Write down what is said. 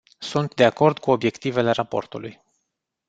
Sunt de acord cu obiectivele raportului.